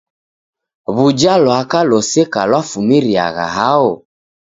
W'uja lwaka loseka lwafumiriagha hao?